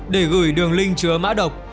để gửi đường link chứa mã độc